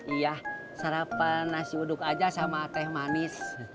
iya sarapan nasi uduk aja sama teh manis